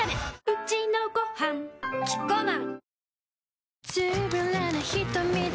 うちのごはんキッコーマン